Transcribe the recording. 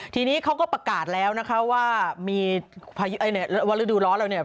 ทีนี้เขาก็ประกาศแล้วว่าวิดู็ร้อนเรา